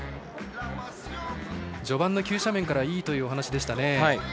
序盤の急斜面からいいというお話でしたね。